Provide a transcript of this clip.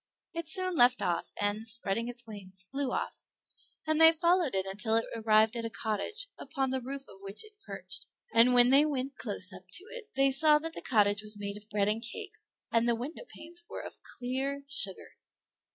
It soon left off, and spreading its wings, flew off; and they followed it until it arrived at a cottage, upon the roof of which it perched; and when they went close up to it they saw that the cottage was made of bread and cakes, and the windowpanes were of clear sugar.